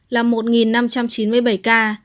là một năm trăm chín mươi bảy ca